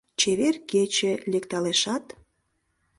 Чевер кече лекталешат